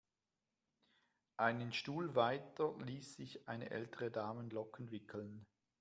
Einen Stuhl weiter ließ sich eine ältere Dame Locken wickeln.